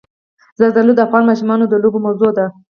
زردالو د افغان ماشومانو د لوبو موضوع ده.